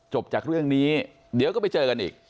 จากเรื่องนี้เดี๋ยวก็ไปเจอกันอีก